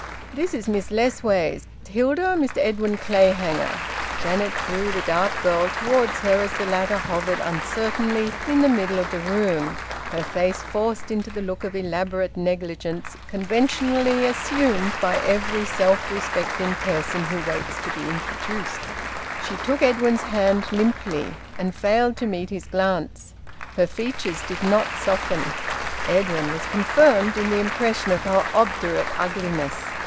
"This is Miss Lessways. Hilda Mr Edwin Clayhanger." Janet drew the dark girl towards her as the latter hovered uncertainly in the middle of the room, her face forced into the look of elaborate negligence conventionally assumed by every self respecting person who waits to be introduced. She took Edwin's hand limply, and failed to meet his glance. Her features did not soften. Edwin was confirmed in the impression of her obdurate ugliness.